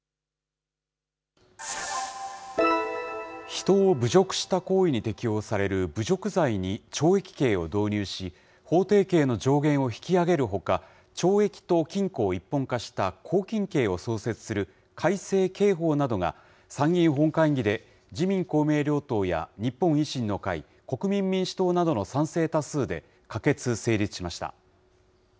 人を侮辱した行為に適用される侮辱罪に懲役刑を導入し、法定刑の上限を引き上げるほか、懲役と禁錮を一本化した拘禁刑を創設する改正刑法などが参議院本会議で、自民、公明両党や日本維新の会、国民民主党などの賛成多数で可決・成立しました。